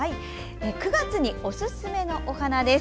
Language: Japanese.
９月におすすめのお花です。